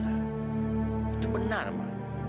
itu benar ma